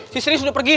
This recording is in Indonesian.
si sri sudah pergi